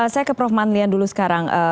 saya ke prof madlian dulu sekarang